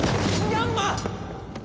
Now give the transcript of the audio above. ヤンマ！